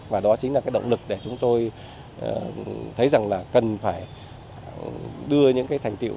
và đó chính là cái động lực để chúng tôi thấy rằng là cần phải đưa những cái thành tiệu